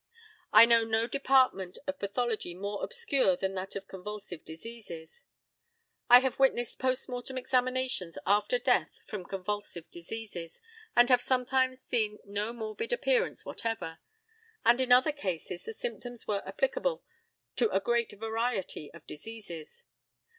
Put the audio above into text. I know no department of pathology more obscure than that of convulsive diseases. I have witnessed post mortem examinations after death from convulsive diseases, and have sometimes seen no morbid appearances whatever; and in other cases the symptoms were applicable to a great variety of diseases.